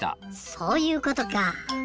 そういうことか。